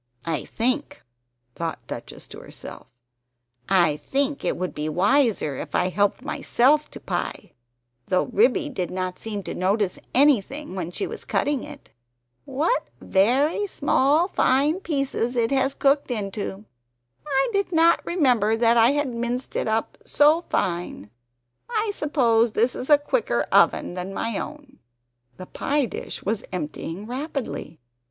"I think" (thought Duchess to herself) "I THINK it would be wiser if I helped myself to pie; though Ribby did not seem to notice anything when she was cutting it. What very small fine pieces it has cooked into! I did not remember that I had minced it up so fine; I suppose this is a quicker oven than my own." The pie dish was emptying rapidly!